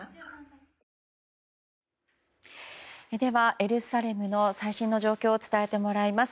エルサレムの最新の状況を伝えてもらいます。